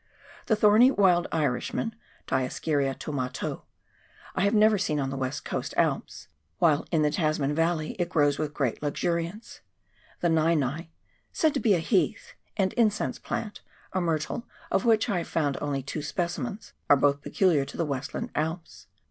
The thorny Wild Irish man [Discaria toumatou) I have never seen on the West Coast Alps, while in the Tasman valley it grows with great luxuri ance ; the Nei nei — said to be a heath, and " Incense " plant — a myrtle of which I have only found two specimens, are both peculiar to the Westland Alps.